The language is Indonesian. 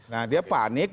nah dia panik